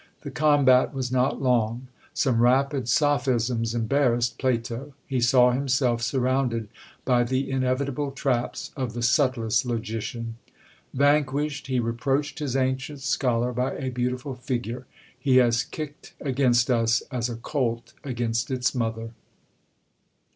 The combat was not long. Some rapid sophisms embarrassed Plato. He saw himself surrounded by the inevitable traps of the subtlest logician. Vanquished, he reproached his ancient scholar by a beautiful figure: "He has kicked against us as a colt against its mother."